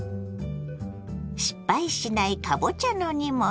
失敗しないかぼちゃの煮物。